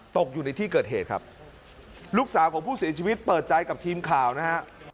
ตกอยู่ในที่เกิดเหตุครับลูกสาวของผู้เสียชีวิตเปิดใจกับทีมข่าวนะฮะ